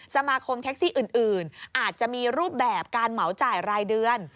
สมาคมแท็กซี่อื่นอาจจะมีรูปแบบการเหมาจ่ายรายเดือน